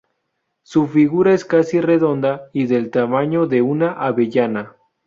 Su figura es casi redonda y del tamaño de una avellana.